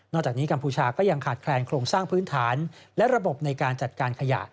จากนี้กัมพูชาก็ยังขาดแคลนโครงสร้างพื้นฐานและระบบในการจัดการขยะ